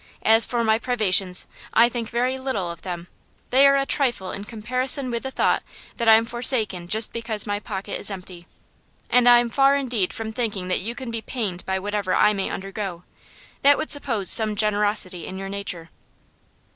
As for my privations, I think very little of them; they are a trifle in comparison with the thought that I am forsaken just because my pocket is empty. And I am far indeed from thinking that you can be pained by whatever I may undergo; that would suppose some generosity in your nature.